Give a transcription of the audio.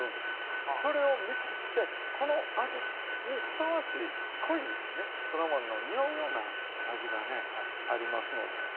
それを見とってこの味にふさわしい濃いそら豆のにおうような味がねありますのでね